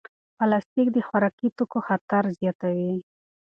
پلاستیک د خوراکي توکو خطر زیاتوي.